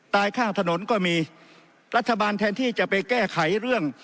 ข้างถนนก็มีรัฐบาลแทนที่จะไปแก้ไขเรื่อง